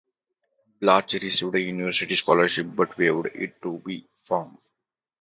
Balch received a University scholarship but waived it to be a farmer.